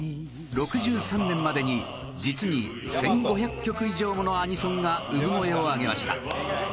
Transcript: ６３年までに、実に１５００曲以上ものアニソンが産声を上げました